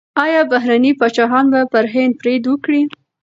ایا بهرني پاچاهان به پر هند برید وکړي؟